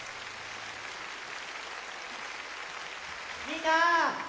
みんな！